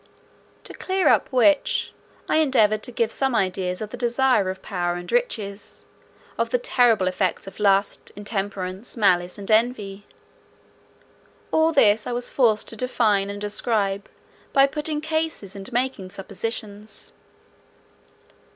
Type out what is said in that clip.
To clear up which, I endeavoured to give some ideas of the desire of power and riches; of the terrible effects of lust, intemperance, malice, and envy. All this I was forced to define and describe by putting cases and making suppositions.